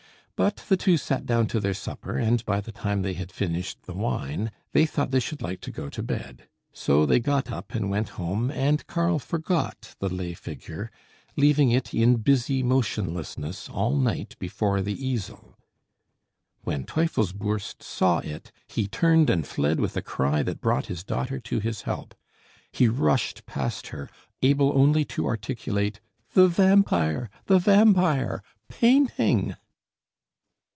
But the two sat down to their supper, and by the time they had finished the wine, they thought they should like to go to bed. So they got up and went home, and Karl forgot the lay figure, leaving it in busy motionlessness all night before the easel. When Teufelsbürst saw it, he turned and fled with a cry that brought his daughter to his help. He rushed past her, able only to articulate: "The vampire! The vampire! Painting!"